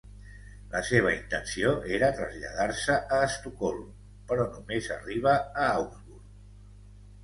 La seva intenció era traslladar-se a Estocolm, però només arriba a Augsburg.